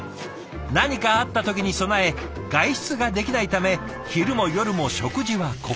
何かあった時に備え外出ができないため昼も夜も食事はここで。